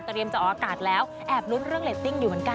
เรียมจะออกอากาศแล้วแอบลุ้นเรื่องเรตติ้งอยู่เหมือนกัน